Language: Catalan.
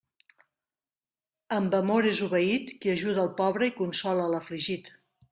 Amb amor és obeït qui ajuda al pobre i consola a l'afligit.